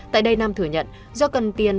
tại đây nam thừa nhận do cần tiền